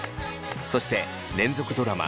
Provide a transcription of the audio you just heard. そして連続ドラマ